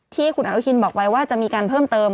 ที่คุณอนุทินบอกไว้ว่าจะมีการเพิ่มเติม